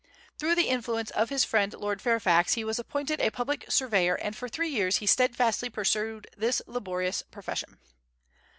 Through the influence of his friend Lord Fairfax he was appointed a public surveyor, and for three years he steadfastly pursued this laborious profession.